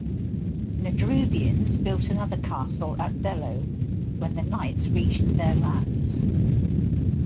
Nadruvians built another castle at Velowe when the Knights reached their lands.